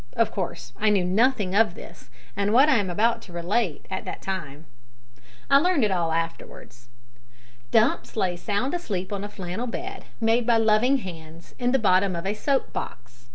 (Of course I knew nothing of this, and what I am about to relate, at that time. I learned it all afterwards.) Dumps lay sound asleep on a flannel bed, made by loving hands, in the bottom of a soap box.